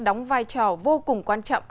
đóng vai trò vô cùng quan trọng